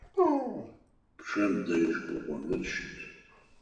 Пчъэм дэжь гогоныр щыт.